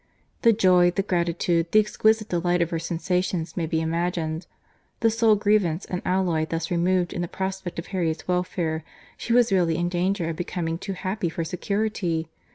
The joy, the gratitude, the exquisite delight of her sensations may be imagined. The sole grievance and alloy thus removed in the prospect of Harriet's welfare, she was really in danger of becoming too happy for security.